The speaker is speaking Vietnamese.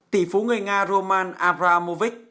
tỷ phú người nga roman abramovich